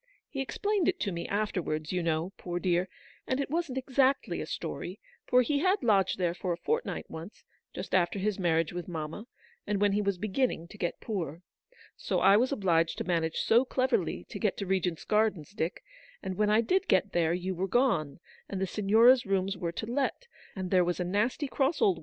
He explained it to me after wards, you know, poor dear ; and it wasn't exactly a story, for he had lodged there for a fortnight once, just after his marriage with mamma, and when he was beginning to get poor. So I was obliged to manage so cleverly to get to Regent's Gardens, Dick j and when I did get there you were gone, and the Signora's rooms were to let, and there was a nasty cross old 104 ELEANOR'S VICTORY.